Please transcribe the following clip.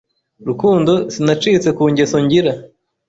Rukundo Sinacitse ku ngeso ngira